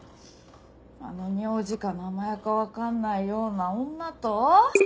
あの名字か名前かわかんないような女と？